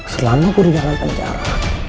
selalu gua di dalam penjara